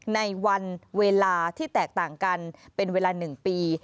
ในวันเวลาที่แตกต่างกันเป็นเวลา๑ปี